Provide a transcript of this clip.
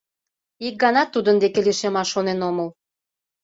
Ик ганат тудын деке лишемаш шонен омыл.